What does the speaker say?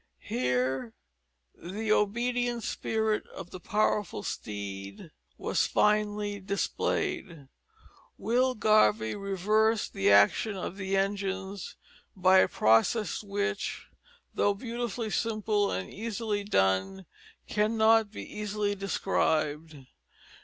Here the obedient spirit of the powerful steed was finely displayed. Will Garvie reversed the action of the engines by a process which, though beautifully simple and easily done, cannot be easily described.